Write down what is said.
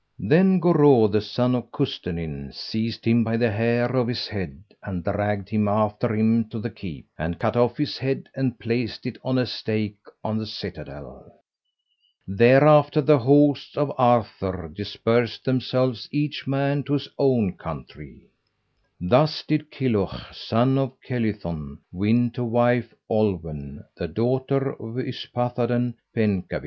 Then Goreu the son of Custennin seized him by the hair of his head and dragged him after him to the keep, and cut off his head and placed it on a stake on the citadel. Thereafter the hosts of Arthur dispersed themselves each man to his own country. Thus did Kilhuch son of Kelython win to wife Olwen, the daughter of Yspathaden Penkawr.